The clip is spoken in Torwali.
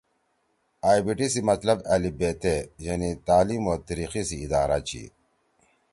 آئی بی ٹی سی مطلب ا ب ت یعنی تعلیم او تیِریِقی سی ادارہ چھی۔